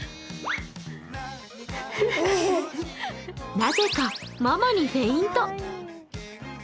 なぜかママにフェイント。